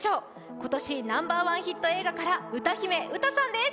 今年ナンバー１ヒット映画から歌姫、ウタさんです。